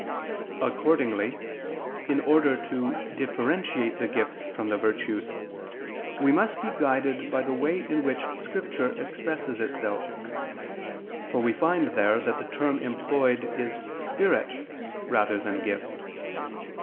Accordingly, in order to differentiate the gifts from the virtues, we must be guided by the way in which Scripture expresses itself, for we find there that the term employed is "spirit" rather than "gift."